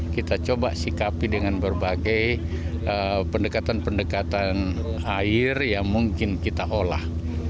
kita coba sikapi dengan berbagai pendekatan pendekatan air yang mungkin kita olah